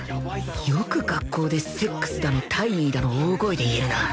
よく学校でセックスだの体位だの大声で言えるな